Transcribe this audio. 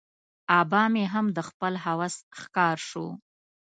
آبا مې هم د خپل هوس ښکار شو.